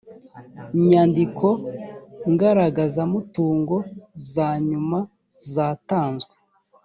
nyandiko ngaragazamutungo za nyuma zatanzwe